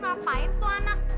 ngapain tuh anak